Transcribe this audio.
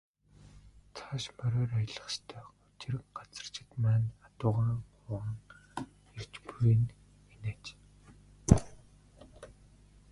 Цааш мориор аялах ёстой учир газарчид маань адуугаа хураан ирж буй нь энэ аж.